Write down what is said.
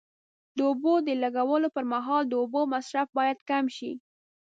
د اوبو د لګولو پر مهال د اوبو مصرف باید کم شي.